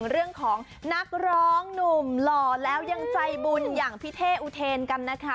เรื่องของนักร้องหนุ่มหล่อแล้วยังใจบุญอย่างพี่เท่อุเทนกันนะคะ